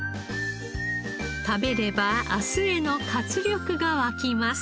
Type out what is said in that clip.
食べれば明日への活力が湧きます。